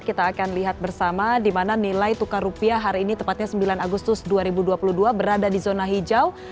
kita akan lihat bersama di mana nilai tukar rupiah hari ini tepatnya sembilan agustus dua ribu dua puluh dua berada di zona hijau